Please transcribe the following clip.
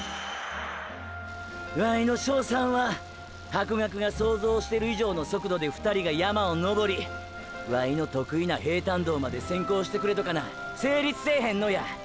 ワイの勝算はハコガクが想像してる以上の速度で２人が山を登りワイの得意な平坦道まで先行してくれとかな成立せーへんのや！！